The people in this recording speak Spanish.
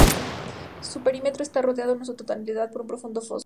Su perímetro está rodeado en su totalidad por un profundo foso.